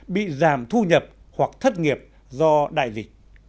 bị giảm thu nhập hoặc thất nghiệp do đại dịch